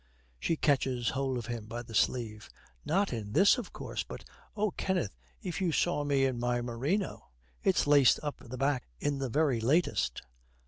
She catches hold of him by the sleeve. 'Not in this, of course. But, oh, Kenneth, if you saw me in my merino! It's laced up the back in the very latest.'